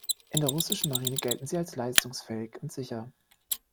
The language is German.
In der russischen Marine gelten sie als leistungsfähig und sicher.